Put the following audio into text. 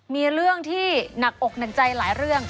มีเรื่องที่หนักอกหนักใจหลายเรื่อง